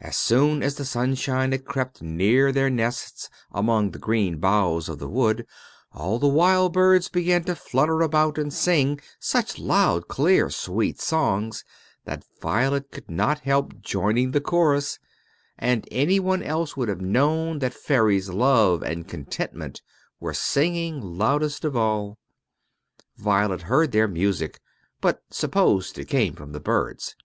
As soon as the sunshine had crept near their nests among the green boughs of the wood, all the wild birds began to flutter about and sing such loud, clear, sweet songs that Violet could not help joining the chorus; and any one else would have known that fairies Love and Contentment were singing loudest of all. Violet heard their music, but supposed it came from the birds.